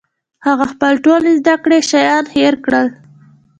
هغه خپل ټول زده کړي شیان هېر کړل